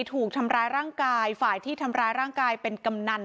ถูกทำร้ายร่างกายฝ่ายที่ทำร้ายร่างกายเป็นกำนัน